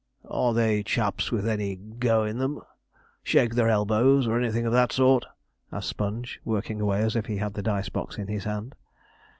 'Are they chaps with any "go" in them? shake their elbows, or anything of that sort?' asked Sponge, working away as if he had the dice box in his hand.